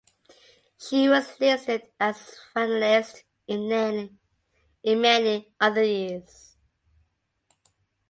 She was listed as finalist in many other years.